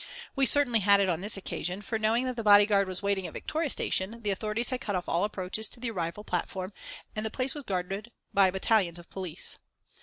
We certainly had it on this occasion, for knowing that the body guard was waiting at Victoria Station, the authorities had cut off all approaches to the arrival platform and the place was guarded by battalions of police.